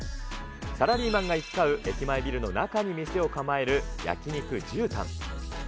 サラリーマンが行き交う駅前ビルの中に店を構える焼肉じゅうたん。